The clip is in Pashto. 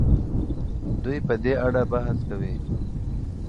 دوی په دې اړه بحث کوي.